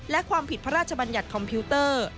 และความผิดพระราชบัญญัติคอมพิวเตอร์